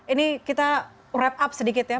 ini kita wrap up sedikit ya